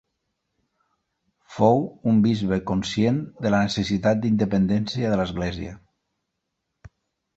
Fou un bisbe conscient de la necessitat d'independència de l'Església.